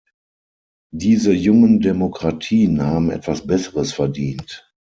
Diese jungen Demokratien haben etwas Besseres verdient.